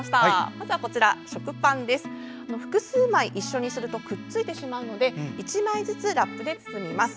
まず食パン、複数枚一緒にするとくっついてしまうので１枚ずつラップで包みます。